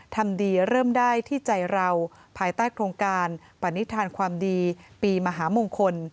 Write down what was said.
ทำดีเริ่มได้ที่ใจเราภายใต้โครงการปณิธานความดีปีมหามงคล